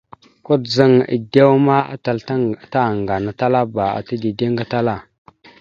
Kudzaŋ edewa ma, atal tàŋganatalaba ata dideŋ gatala.